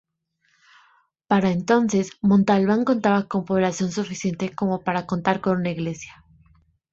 Para entonces Montalbán contaba con población suficiente como para contar con una iglesia.